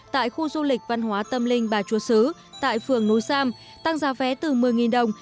tại khu du lịch văn hóa tâm linh bà chúa sứ tại phường núi sam tăng giá vé từ một mươi đồng